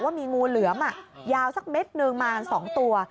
ว่ามีงูเหลือมยาวสักเม็ดนึงมา๒ตัว